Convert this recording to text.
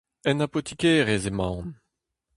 En apotikerezh emaon.